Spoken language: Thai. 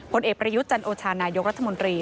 ผลเอกประยุทธ์จันโอชานายกรัฐมนตรี